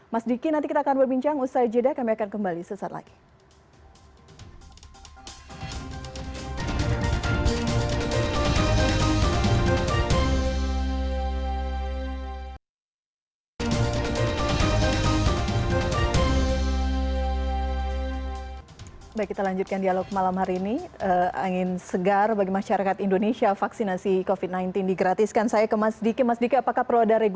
mas diki nanti kita akan berbincang